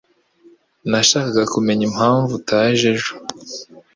Nashakaga kumenya impamvu utaje ejo.